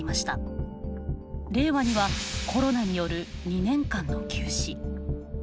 令和にはコロナによる２年間の休止。